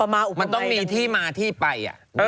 มันต้องมีที่มาที่ไป